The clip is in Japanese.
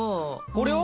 これを？